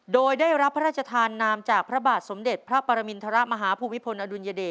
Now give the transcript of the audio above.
โดยได้รับพระราชทานนามจากพระบาทสมเด็จพระปรมินทรมาฮภูมิพลอดุลยเดช